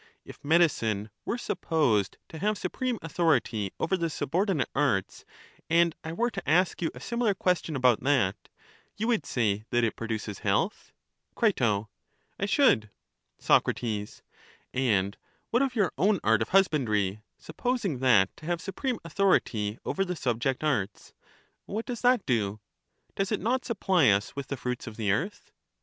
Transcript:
If medicine were supposed to have supreme authority over the subordinate arts, and I were to ask you a similar question about that, you would say that it produces health? Cri, I should. Soc, And what of your own art of husbandry, sup posing that to have supreme authority over the sub ject arts — what does that do? Does it not supply us with the fruits of the earth?